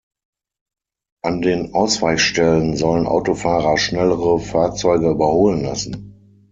An den Ausweichstellen sollen Autofahrer schnellere Fahrzeuge überholen lassen.